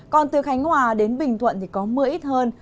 còn từ khánh hòa đến bình thuận thì có mưa ít hơn